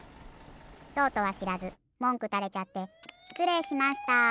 そうとはしらずもんくたれちゃってしつれいしました。